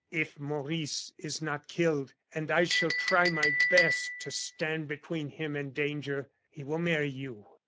"If Maurice is not killed, and I shall try my best to stand between him and danger, he will marry you.